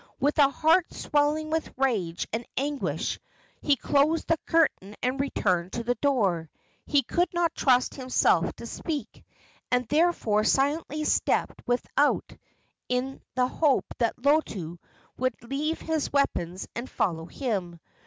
With a heart swelling with rage and anguish, he closed the curtain and returned to the door. He could not trust himself to speak, and therefore silently stepped without, in the hope that Lotu would leave his weapons and follow him.